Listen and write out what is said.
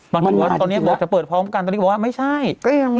ที่วัดตอนนี้บอกจะเปิดพร้อมกันตอนนี้บอกว่าไม่ใช่ก็ยังไม่